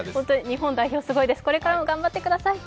日本代表すごいです、これからも頑張ってください。